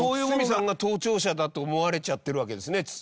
堤さんが盗聴者だと思われちゃってるわけですね